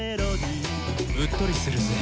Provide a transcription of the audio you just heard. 「うっとりするぜ」